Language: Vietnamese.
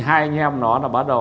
hai anh em nó là bắt đầu